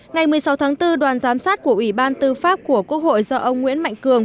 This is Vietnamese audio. ngày một mươi sáu tháng bốn đoàn giám sát của ủy ban tư pháp của quốc hội do ông nguyễn mạnh cường